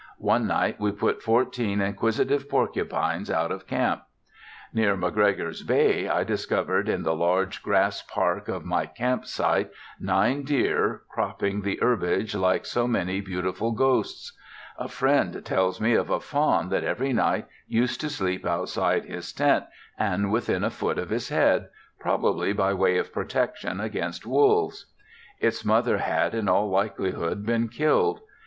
One night we put fourteen inquisitive porcupines out of camp. Near McGregor's Bay I discovered in the large grass park of my camp site nine deer, cropping the herbage like so many beautiful ghosts. A friend tells me of a fawn that every night used to sleep outside his tent and within a foot of his head, probably by way of protection against wolves. Its mother had in all likelihood been killed.